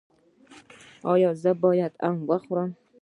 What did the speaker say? ایا زه باید ام وخورم؟